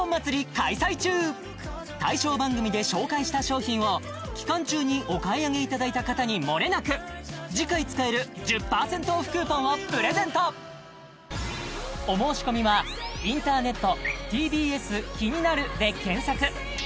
開催中対象番組で紹介した商品を期間中にお買い上げいただいた方にもれなく次回使える１０％オフクーポンをプレゼントノンフライオーブンの激おしポイント